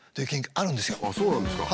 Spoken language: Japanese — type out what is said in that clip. ああそうなんですか。